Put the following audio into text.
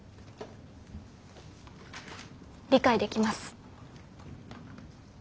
理解できます。